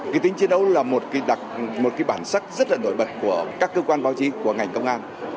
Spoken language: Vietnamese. cái tính chiến đấu là một cái đặc một cái bản sắc rất là nổi bật của các cơ quan báo chí của ngành công an